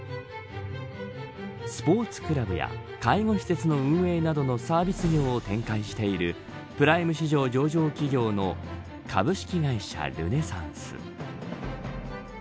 スポーツクラブや介護施設の運営などのサービス業を展開しているプライム市場上場企業の株式会社ルネサンス。